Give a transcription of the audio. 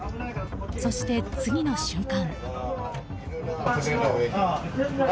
そして次の瞬間。